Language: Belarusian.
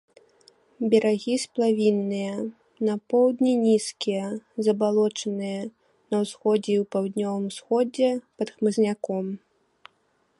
Берагі сплавінныя, на поўдні нізкія, забалочаныя, на ўсходзе і паўднёвым усходзе пад хмызняком.